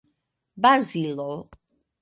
Bazilo!